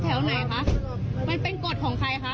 ใช่เหรอแถวไหนคะมันเป็นกฎของใครคะ